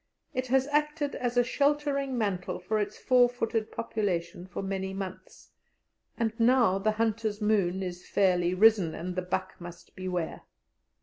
It has acted as a sheltering mantle for its four footed population for many months, and now the "hunters' moon" is fairly risen and the buck must beware.